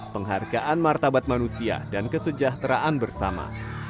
penghargaan martabat manusia dan kesejahteraan bersama